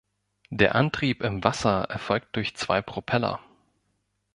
Der Antrieb im Wasser erfolgt durch zwei Propeller.